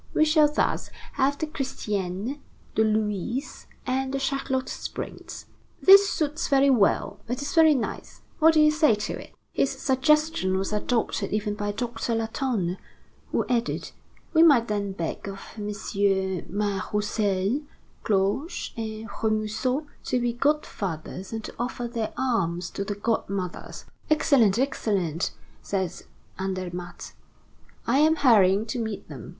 We shall thus have the Christiane, the Louise, and the Charlotte Springs. This suits very well; it is very nice. What do you say to it?" His suggestion was adopted even by Doctor Latonne, who added: "We might then beg of MM. Mas Roussel, Cloche, and Remusot to be godfathers and to offer their arms to the godmothers." "Excellent, excellent," said Andermatt. "I am hurrying to meet them.